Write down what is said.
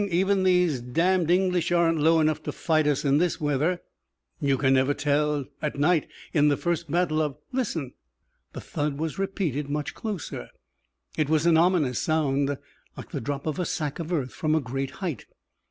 Even these damned English aren't low enough to fight us in this weather." "You can never tell. At night, in the first battle of listen!" The thud was repeated, much closer. It was an ominous sound, like the drop of a sack of earth from a great height.